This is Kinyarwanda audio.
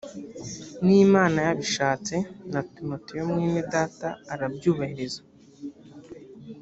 ni imana yabishatse na timoteyo mwene data arabyubahiriza